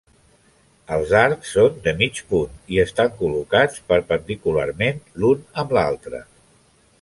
Els arcs són de mig punt i estan col·locats perpendicularment l'un amb l'altre.